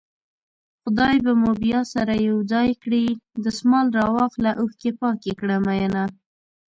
خدای به مو بيا سره يو ځای کړي دسمال راواخله اوښکې پاکې کړه مينه